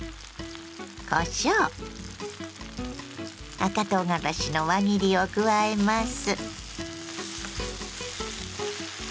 赤とうがらしの輪切りを加えます。